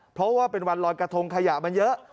เพราะว่าเป็นวันลอยกระทงขยะมันเยอะ